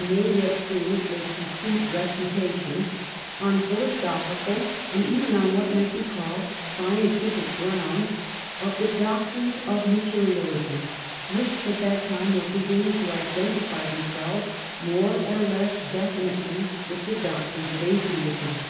299 may yet prove a complete refutation, on philo sophical and even on what might be called scientific grounds, of the doctrines of materialism which at that time were beginning to identify themselves more or less definitely with the doctrines of atheism.